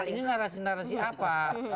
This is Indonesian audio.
ini narasi narasi apa